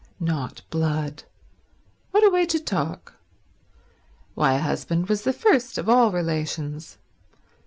"Not blood." What a way to talk. Why, a husband was the first of all relations.